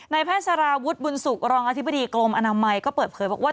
แพทย์สารวุฒิบุญสุขรองอธิบดีกรมอนามัยก็เปิดเผยบอกว่า